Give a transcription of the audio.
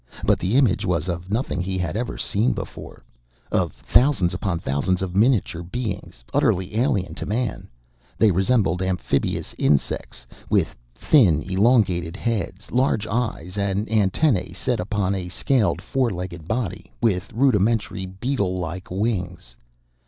But the image was of nothing he had ever seen before of thousands upon thousands of miniature beings, utterly alien to man; they resembled amphibious insects, with thin, elongated heads, large eyes, and antennae set upon a scaled, four legged body, with rudimentary beetle like wings.